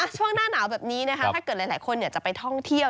ช่วงหน้าหนาวแบบนี้นะคะถ้าเกิดหลายคนอยากจะไปท่องเที่ยว